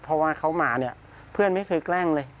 เพราะว่าเขามาเนี่ยเพื่อนไม่เคยแกล้งเลย